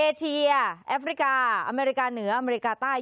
เอเชียแอฟริกาอเมริกาเหนืออเมริกาใต้